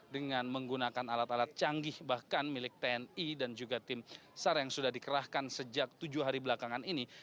dengan menggunakan alat alat canggih bahkan milik tni dan juga tim sar yang sudah dikerahkan sejak tujuh hari belakangan ini